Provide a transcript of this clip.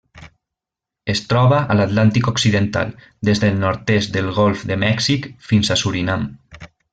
Es troba a l'Atlàntic occidental: des del nord-est del golf de Mèxic fins a Surinam.